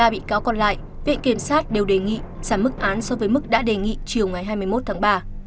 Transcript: ba bị cáo còn lại viện kiểm sát đều đề nghị giảm mức án so với mức đã đề nghị chiều ngày hai mươi một tháng ba